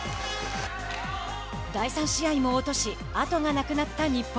第３試合も落とし後がなくなった日本。